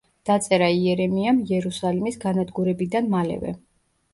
დაწერა იერემიამ იერუსალიმის განადგურებიდან მალევე.